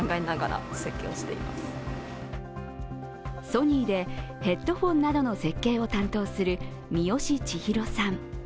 ソニーでヘッドホンなどの設計を担当する三芳千裕さん。